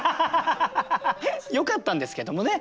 よかったんですけどもねはい。